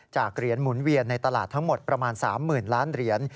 เหรียญหมุนเวียนในตลาดทั้งหมดประมาณ๓๐๐๐ล้านเหรียญ